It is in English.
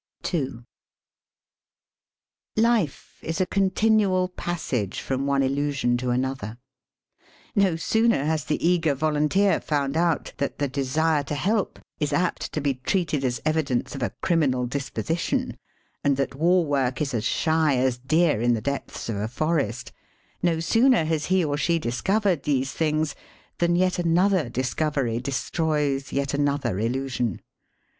Life is a contioual passage from one illusion to another. No sooner has the eager volunteer found out that the desivo to help is apt to be treated as evidence of a criminal disposition, and that war work is as shj as deer in the depths of a forest — no sooner has he or she discovered these things than yet another discovery destroys yet another illusion.